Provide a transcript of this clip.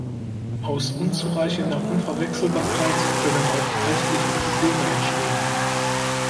Aus unzureichender Unverwechselbarkeit können auch rechtliche Probleme entstehen.